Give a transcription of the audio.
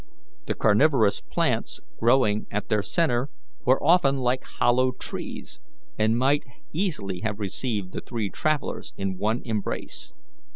The carnivorous plants growing at their centre were often like hollow trees, and might easily have received the three travellers in one embrace.